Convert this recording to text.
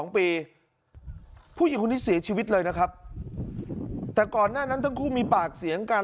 ผู้หญิงคนนี้เสียชีวิตเลยนะครับแต่ก่อนหน้านั้นทั้งคู่มีปากเสียงกัน